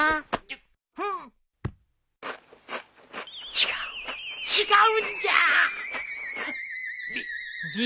違う違うんじゃみ水。